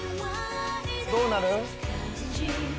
どうなる？